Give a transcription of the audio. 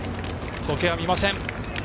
時計は見ません。